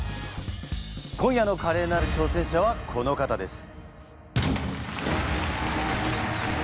今夜のカレーなる挑戦者はこの方です！